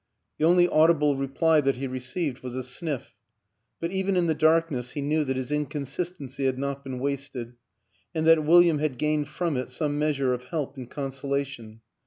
The only audible reply that he re ceived was a sniff, but even in the darkness he knejv that his inconsistency had not been wasted, and that William had gained from it some meas ure of help and consolation.